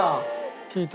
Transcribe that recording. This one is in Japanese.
聞いた？